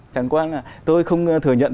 chẳng quan là tôi không thừa nhận